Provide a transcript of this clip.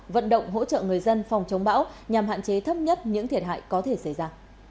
vận động hỗ trợ người dân phòng chống bão nhằm hạn chế thấp nhất những thiệt hại có thể xảy ra